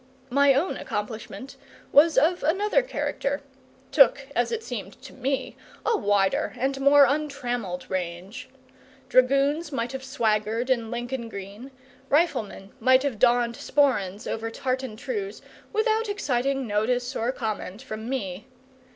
My own accomplishment was of another character took, as it seemed to me, a wider and a more untrammelled range. Dragoons might have swaggered in Lincoln green, riflemen might have donned sporrans over tartan trews, without exciting notice or comment from me.